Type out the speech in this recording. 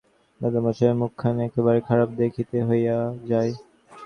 আর গোঁফ জুড়িয়া দিলে দাদামহাশয়ের মুখখানি একেবারে খারাপ দেখিতে হইয়া যায়।